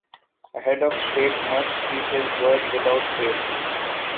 A head of state must keep his word without fail.